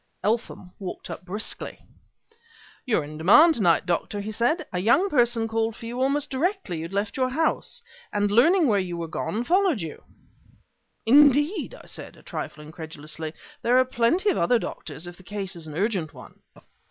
Eltham walked up briskly. "You're in demand to night, Doctor," he said. "A young person called for you almost directly you had left your house, and, learning where you were gone, followed you." "Indeed!" I said, a trifle incredulously. "There are plenty of other doctors if the case is an urgent one."